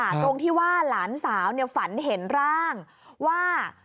ตรงที่ว่าหลานสาวฝันเห็นร่างว่า